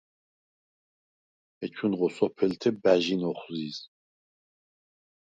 ეჩუნღო სოფელთე ბა̈ჟინ ოხვზიზ.